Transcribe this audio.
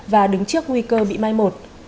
và đứng trước nguy cơ bị mai một